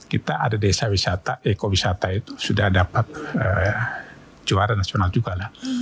kita ada desa wisata ekowisata itu sudah dapat juara nasional juga lah